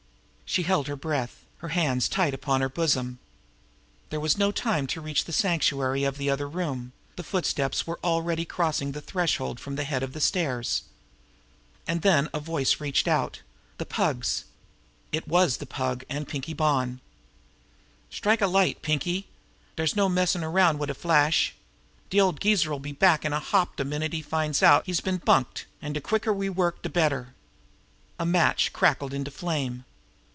She held her breath, her hands tight upon her bosom. There was no time to reach the sanctuary of the other room the footsteps were already crossing the threshold from the head of the stairs. And then a voice reached her the Pug's. It was the Pug and Pinkie Bonn. "Strike a light, Pinkie! Dere's no use messin' around wid a flash. De old geezer'll be back on de hop de minute he finds out he's been bunked, an' de quicker we work de better." A match crackled into flame.